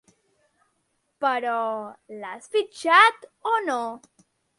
Però l'has fitxat o no?